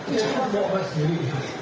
iya bawa bawa sendiri